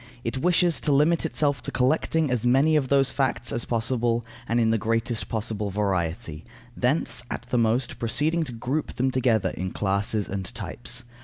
It wishes to limit itself to collecting as many of those facts as possible, and in the greatest possible variety, thence, at the most, proceeding to group them together in classes and types.